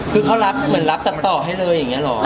คือเขารับเหมือนรับตัดต่อให้เลยอย่างนี้หรอ